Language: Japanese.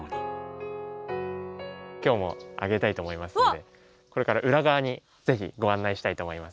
今日もあげたいと思いますのでこれから裏側にぜびご案内したいと思います。